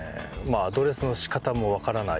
あアドレスの仕方もわからない。